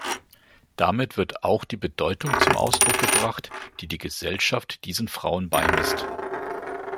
Damit wird auch die Bedeutung zum Ausdruck gebracht, die die Gesellschaft diesen Frauen beimisst.